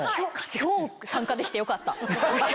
今日参加できてよかった！